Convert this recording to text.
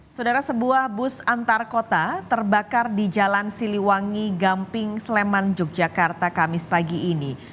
saudara sebuah bus antar kota terbakar di jalan siliwangi gamping sleman yogyakarta kamis pagi ini